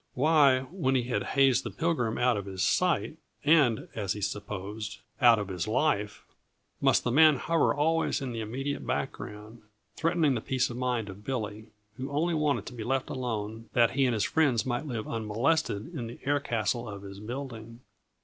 Why, when he had hazed the Pilgrim out of his sight and as he supposed, out of his life must the man hover always in the immediate background, threating the peace of mind of Billy, who only wanted to be left alone that he and his friends might live unmolested in the air castle of his building?